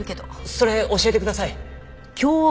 それ教えてください！